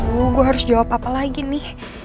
gue harus jawab apa lagi nih